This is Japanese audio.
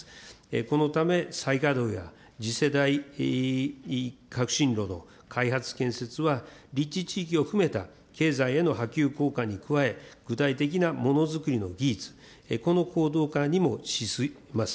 このため再稼働や次世代革新炉の開発建設は、立地地域を含めた経済への波及効果に加え、具体的なものづくりの技術、この行動化にも資します。